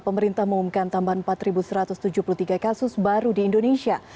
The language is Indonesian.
pemerintah mengumumkan tambahan empat satu ratus tujuh puluh tiga kasus baru di indonesia